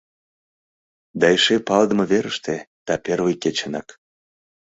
Да эше палыдыме верыште, да первый кечынак.